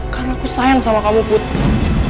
karena aku sayang sama kamu putri